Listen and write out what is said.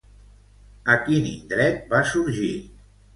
A quin indret va sorgir?